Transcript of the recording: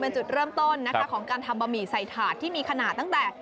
เป็นจุดเริ่มต้นนะคะของการทำบะหมี่ใส่ถาดที่มีขนาดตั้งแต่